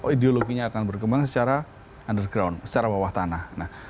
ideologinya akan berkembang secara underground secara bawah tanah